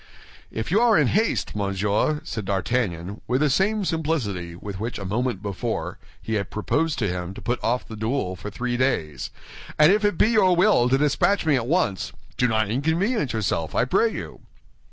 "If you are in haste, monsieur," said D'Artagnan, with the same simplicity with which a moment before he had proposed to him to put off the duel for three days, "and if it be your will to dispatch me at once, do not inconvenience yourself, I pray you."